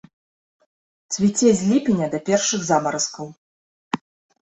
Цвіце з ліпеня да першых замаразкаў.